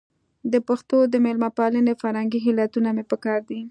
د پښتنو د مېلمه پالنې فرهنګي علتونه مې په کار دي.